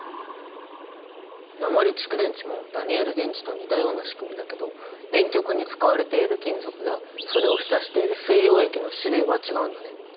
鉛蓄電池もダニエル電池と似たようなしくみだけど電極に使われている金属やそれを浸している水溶液の種類は違うんだね。